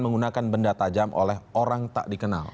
menggunakan benda tajam oleh orang tak dikenal